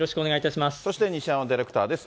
そして西山ディレクターです。